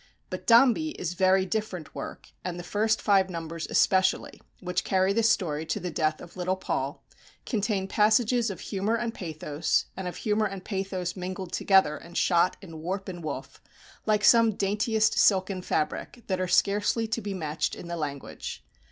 But "Dombey" is very different work, and the first five numbers especially, which carry the story to the death of little Paul, contain passages of humour and pathos, and of humour and pathos mingled together and shot in warp and woof, like some daintiest silken fabric, that are scarcely to be matched in the language.